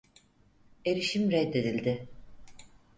Erişim reddedildi.